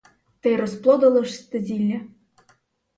Та й розплодилося ж те зілля!